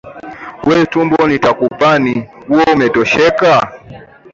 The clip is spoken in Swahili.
We tumbo nitakupani, uwe umetosheka?